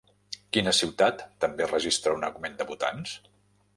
Quina ciutat també registra un augment de votants?